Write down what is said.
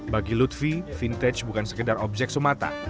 bagi lutfi vintage bukan sekedar objek semata